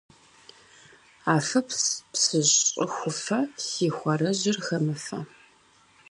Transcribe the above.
Афыпс, псы щӏыхуфэ, си хуарэжьыр хэмыфэ.